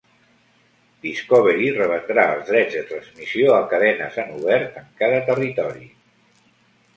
Discovery revendrà els drets de transmissió a cadenes en obert en cada territori.